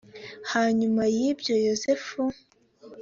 hanyuma y ibyo yozefu